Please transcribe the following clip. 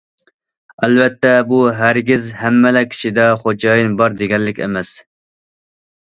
ئەلۋەتتە بۇ ھەرگىز ھەممىلا كىشىدە‹‹ خوجايىن›› بار دېگەنلىك ئەمەس.